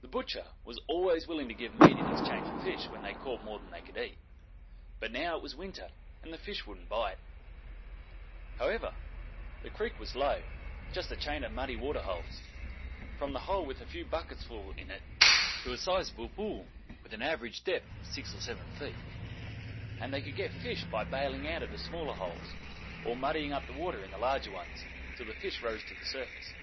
The butcher was always willing to give meat in exchange for fish when they caught more than they could eat; but now it was winter, and these fish wouldn't bite. However, the creek was low, just a chain of muddy water holes, from the hole with a few bucketfuls in it to the sizable pool with an average depth of six or seven feet, and they could get fish by baling out the smaller holes or muddying up the water in the larger ones till the fish rose to the surface.